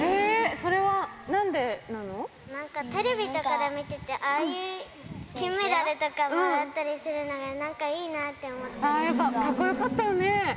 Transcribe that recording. それはなんでななんか、テレビとかで見てて、ああいう、金メダルとかもらったりするのが、やっぱ、かっこよかったよね。